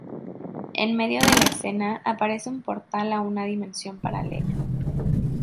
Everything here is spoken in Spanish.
En medio de la escena, aparece un portal a una dimensión paralela.